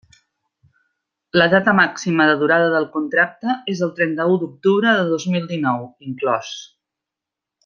La data màxima de durada del contracte és el trenta-u d'octubre de dos mil dinou, inclòs.